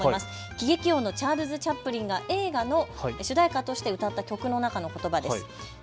喜劇王のチャールズ・チャップリンが映画の主題歌として歌った曲の中のことばです。